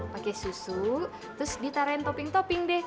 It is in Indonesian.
pakai susu terus ditaruhin topping topping deh